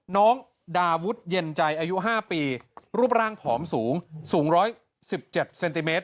น้องดาวุฒิเย็นใจอายุ๕ปีรูปร่างผอมสูงสูง๑๑๗เซนติเมตร